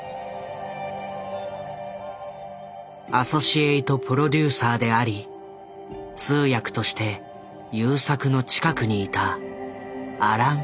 アソシエイト・プロデューサーであり通訳として優作の近くにいたアラン・プールだ。